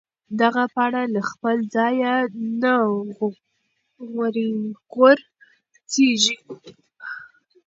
دغه پاڼه له خپل ځایه نه غورځېږي.